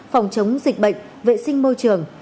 phòng chống dịch bệnh vệ sinh môi trường